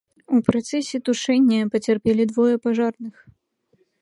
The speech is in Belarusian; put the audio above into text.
У працэсе тушэння пацярпелі двое пажарных.